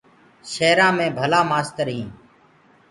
شيرآنٚ مي ڀلآ مآستر هينٚ۔